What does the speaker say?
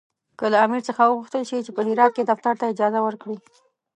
که له امیر څخه وغوښتل شي چې په هرات کې دفتر ته اجازه ورکړي.